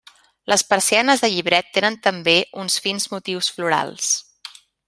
Les persianes de llibret tenen també uns fins motius florals.